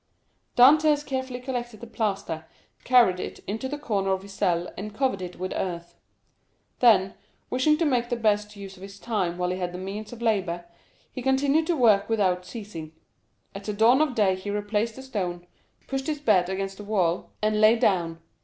Dantès carefully collected the plaster, carried it into the corner of his cell, and covered it with earth. Then, wishing to make the best use of his time while he had the means of labor, he continued to work without ceasing. At the dawn of day he replaced the stone, pushed his bed against the wall, and lay down.